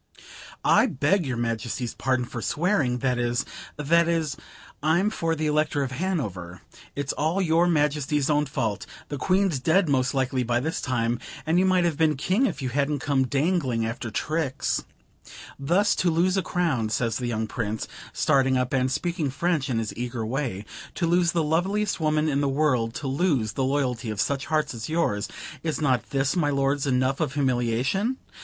I beg your Majesty's pardon for swearing; that is that is I'm for the Elector of Hanover. It's all your Majesty's own fault. The Queen's dead most likely by this time. And you might have been King if you hadn't come dangling after Trix." "Thus to lose a crown," says the young Prince, starting up, and speaking French in his eager way; "to lose the loveliest woman in the world; to lose the loyalty of such hearts as yours, is not this, my lords, enough of humiliation?